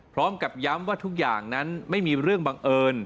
พร้อมกับย้ำว่าทุกอย่างนั้นไม่มีเรื่องบังเอิญ